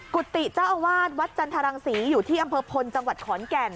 กุฏิเจ้าอาวาสวัดจันทรังศรีอยู่ที่อำเภอพลจังหวัดขอนแก่น